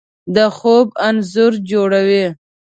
د خوب انځور جوړوي